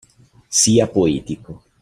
Sia poetico.